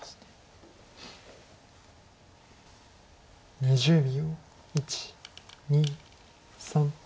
２０秒。